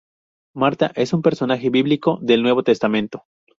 Marta es un personaje bíblico del Nuevo Testamento.